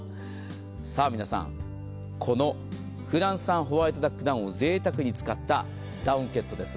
さあ皆さん、このフランス産ホワイトダックダウンをぜいたくに使ったダウンケットです。